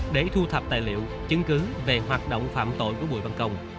để thu thập tài liệu chứng cứ về hoạt động phạm tội của bùi văn công